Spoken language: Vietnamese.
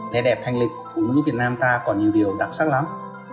để đẹp thanh lịch phụ nữ việt nam ta còn nhiều điều đặc sắc lắm